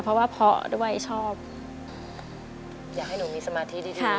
เพราะว่าพ่อด้วยชอบอยากให้หนูมีสมาธิดีดีกว่า